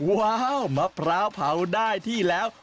ว้าวมะพร้าวเผาได้ที่แล้ว